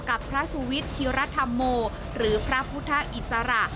กับพระสุวิทธิรัฐโมหรือพระพุทธอิสระ